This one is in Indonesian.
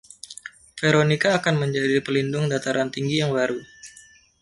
Veronica akan menjadi Pelindung Dataran Tinggi yang baru.